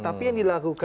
tapi yang dilakukan oleh